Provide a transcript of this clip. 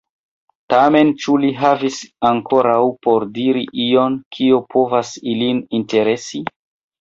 Tamen ĉu li havis ankoraŭ por diri ion, kio povas ilin interesi?